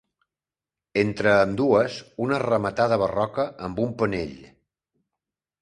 Entre ambdues, una rematada barroca amb un penell.